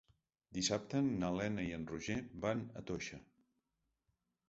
Dissabte na Lena i en Roger van a Toixa.